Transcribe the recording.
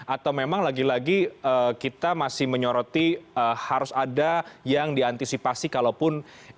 atau memang lagi lagi kita masih menyoroti harus ada yang diantisipasi kalaupun